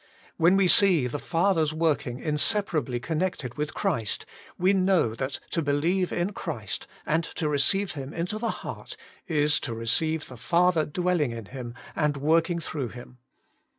When we see the Father's working inseparably con nected with Christ, we know^ that to believe in Christ, and receive Him into the heart, is to receive the Father dwelling in Him and working through Him.